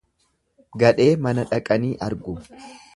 Gadhee mana dhaqanii argu.